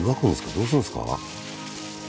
どうするんすか？